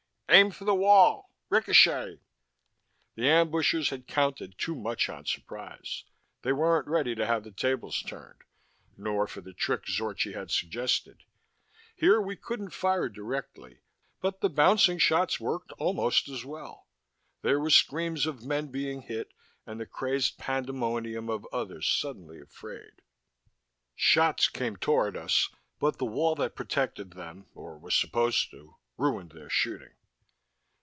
"Aim for the wall. Ricochet!" The ambushers had counted too much on surprise. They weren't ready to have the tables turned, nor for the trick Zorchi had suggested. Here we couldn't fire directly, but the bouncing shots worked almost as well. There were screams of men being hit, and the crazed pandemonium of others suddenly afraid. Shots came toward us, but the wall that protected them or was supposed to ruined their shooting.